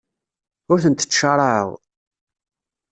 Ur tent-ttcaṛaɛeɣ.